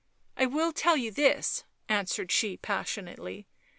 " I will tell you this," answered she passionately.